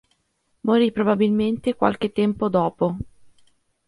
Morì probabilmente qualche tempo dopo.